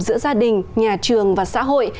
giữa gia đình nhà trường và xã hội